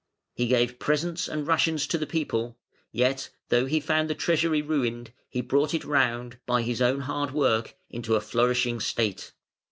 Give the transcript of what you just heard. He gave presents and rations to the people, yet, though he found the Treasury ruined, he brought it round, by his own hard work, into a flourishing state.